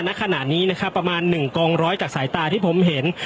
นักขณะนี้นะคะประมาณหนึ่งกองร้อยจากสายตาที่ผมเห็น